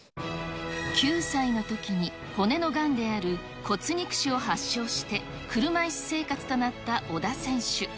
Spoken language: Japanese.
９歳のときに骨のがんである骨肉腫を発症して、車いす生活となった小田選手。